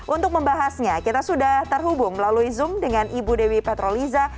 untuk membahasnya kita sudah terhubung melalui zoom dengan ibu dewi petroliza